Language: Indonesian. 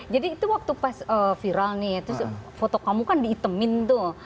jadi itu waktu pas viral nih foto kamu kan diitemin tuh